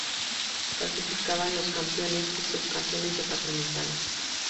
Clasificaban los campeones y subcampeones departamentales.